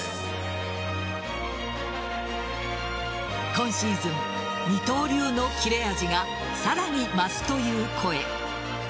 今シーズン二刀流の切れ味がさらに増すという声。